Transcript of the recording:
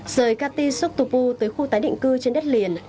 rời kati sutupu tới khu tái định cư trên đất liền